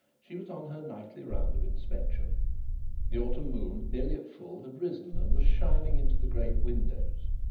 She was on her nightly round of inspection. The autumn moon, nearly at full, had risen and was shining into the great windows.